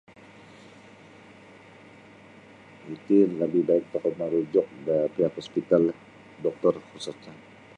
Iti lebih baik tokou merujuk da pihak hospitallah doktor khususnyo.